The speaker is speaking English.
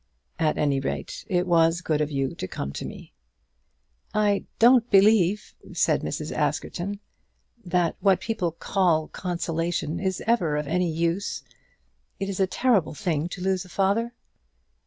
"At any rate it was good of you to come to me." "I don't believe," said Mrs. Askerton, "that what people call consolation is ever of any use. It is a terrible thing to lose a father."